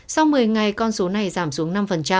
sau một mươi ngày con số này giảm xuống năm